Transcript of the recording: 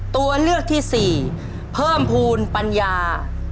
ตัวเลือกที่สี่เพิ่มภูมิปัญญา